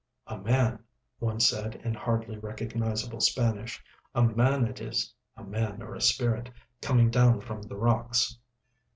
"A man," one said, in hardly recognisable Spanish. "A man it is—a man or a spirit—coming down from the rocks."